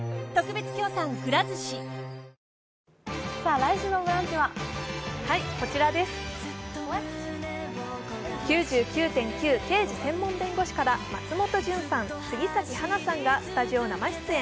来週の「ブランチ」は「９９．９−刑事専門弁護士−」から松本潤さん、杉咲花さんがスタジオ生出演。